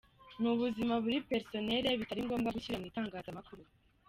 ni ubuzima buri Personal bitari ngobwa gushyira mu itangazamakuru.